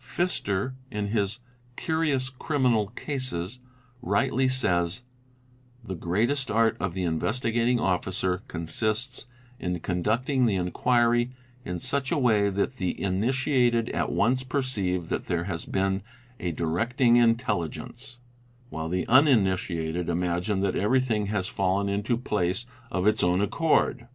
| Pfister in his "Curious Criminal Cases" rightly says:—'' The greatest art of the Investigating Officer consists in conducting the inquiry in such a way that the initiated at once perceive that there has been "a _ directing intelligence,' while the uninitiated imagine that every thing has fallen into place of its own accord."